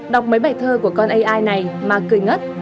đọc mấy bài thơ của con ai này mà cười ngất